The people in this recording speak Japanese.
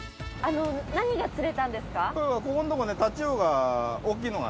何が釣れたんですか？